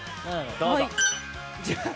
どうぞ！